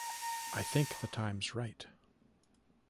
I think the time's right.